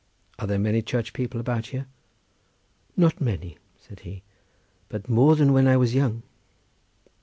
"Are there many Church people about here?" "Not many," said he, "but more than when I was young."